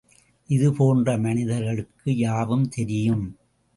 இது போன்ற மனிதர்களுக்கு யாவும் தெரியும்.